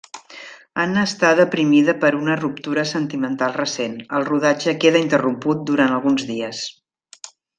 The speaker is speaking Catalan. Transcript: Anna està deprimida per una ruptura sentimental recent, el rodatge queda interromput durant alguns dies.